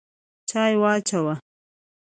چای واچوه!